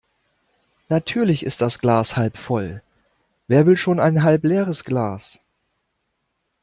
Natürlich ist das Glas halb voll. Wer will schon ein halb leeres Glas?